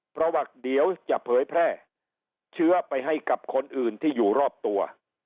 เพราะว่าเดี๋ยวจะเผยแพร่เชื้อไปให้กับคนอื่นที่อยู่รอบตัว